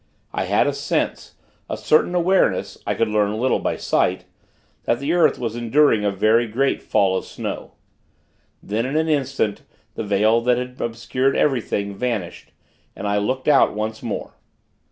I had a sense, a certain awareness (I could learn little by sight), that the earth was enduring a very great fall of snow. Then, in an instant, the veil that had obscured everything, vanished, and I looked out, once more.